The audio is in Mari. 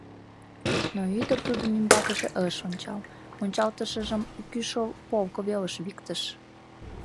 Но ӱдыр тудын ӱмбакыже ыш ончал, ончалтышыжым кӱшыл полко велыш виктыш.